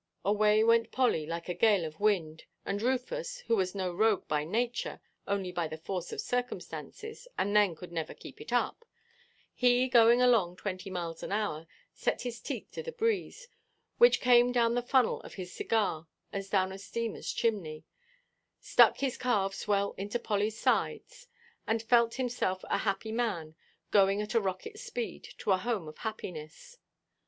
Away went Polly, like a gale of wind; and Rufus (who was no rogue by nature, only by the force of circumstances, and then could never keep to it), he going along twenty miles an hour, set his teeth to the breeze, which came down the funnel of his cigar as down a steamerʼs chimney, stuck his calves well into Pollyʼs sides, and felt himself a happy man, going at a rocketʼs speed, to a home of happiness.